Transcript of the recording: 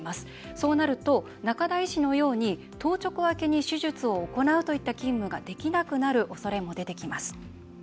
そうなると、仲田医師のように当直明けに手術を行うといった勤務ができなくなるおそれも出てきます。